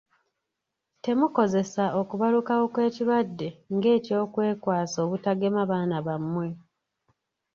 Temukozesa okubalukawo kw'ekirwadde nga eky'okwekwasa obutagema baana bammwe.